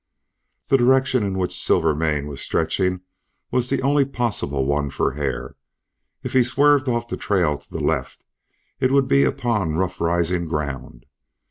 The direction in which Silvermane was stretching was the only possible one for Hare. If he swerved off the trail to the left it would be upon rough rising ground.